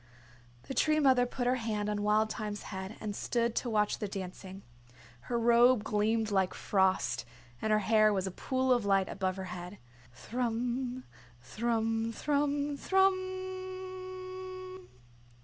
The Tree Mother put her hand on Wild Thyme's head and stood to watch the dancing. Her robe gleamed like frost, and her hair was a pool of light above her head. Thrum, thrum, thrum, thrummmmmmmmm.